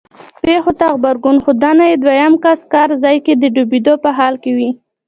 پېښو ته غبرګون ښودونکی دویم کس کار ځای کې د ډوبېدو په حال وي.